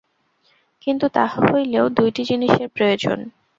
কিন্তু তাহা হইলেও দুইটি জিনিষের প্রয়োজন।